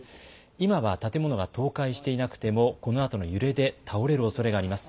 今は建物が倒壊していなくても、このあとの揺れで倒れるおそれがあります。